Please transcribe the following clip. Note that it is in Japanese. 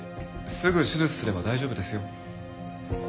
すぐ手術すれば大丈夫ですよ。